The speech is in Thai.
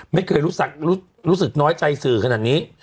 ไม่เคยรู้สึกน้อยใจสื่อขนาดนี้